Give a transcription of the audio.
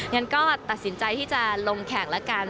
งั้นก็ตัดสินใจที่จะลงแข่งแล้วกัน